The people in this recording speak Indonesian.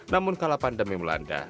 namun kala pandemi melanda